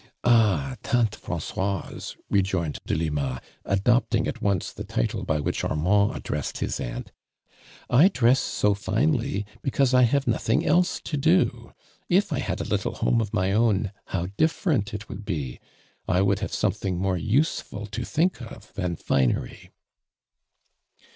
'"" Ah, lante Tranroise," rejoined De lima, adopting at onc(^ the title by which Armand addressed his ainit, "I dress so finely because I have nothing else to do. If I had a little homo of my own, how differ ent it would be ; I would have something more useful to think of than finery.